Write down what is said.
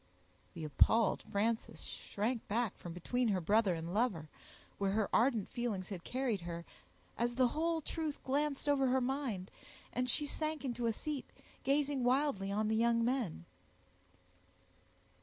The appalled Frances shrank back from between her brother and lover, where her ardent feelings had carried her, as the whole truth glanced over her mind, and she sank into a seat, gazing wildly on the young men.